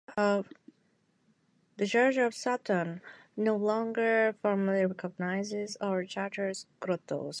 The Church of Satan no longer formally recognizes or charters grottos.